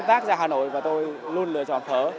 mỗi chút công tác ra hà nội và tôi luôn lựa chọn phở